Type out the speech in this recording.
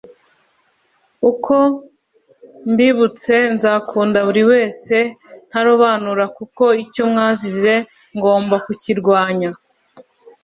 uko mbibutse nzakunda buri wese ntarobanura kuko icyo mwazize ngomba kukirwanya